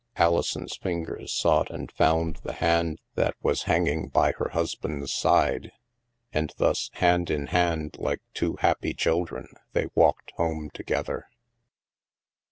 Alison's fingers sought and found the hand that was hanging by her husband's side; and thus, hand in hand like two happy children, they walked home together.